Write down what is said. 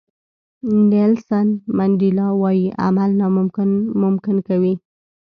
نیلسن منډیلا وایي عمل ناممکن ممکن کوي.